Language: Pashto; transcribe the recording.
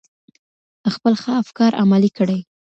خپل ښه افکار عملي کړئ.